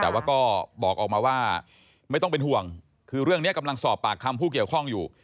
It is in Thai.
แต่ว่าก็บอกออกมาว่าไม่ต้องเป็นห่วงคือเรื่องนี้กำลังสอบปากคำผู้เกี่ยวข้องอยู่